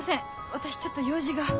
私ちょっと用事が。